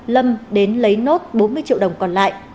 lâm đến lấy nốt bốn mươi triệu đồng còn lại